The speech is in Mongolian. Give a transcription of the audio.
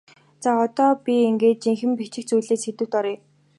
За одоо би ингээд жинхэнэ бичих зүйлийнхээ сэдэвт оръё.